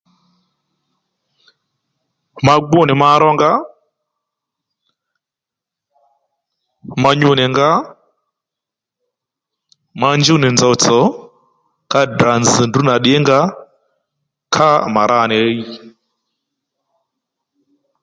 Ma gbú nì ma rónga ma nyu nì nga ma njúw nì nzòw tsò ka Ddrà nzz̀ ndrǔ nà ddǐnga ká mà ra nì hiy